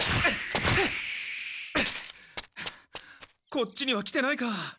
こっちには来てないか。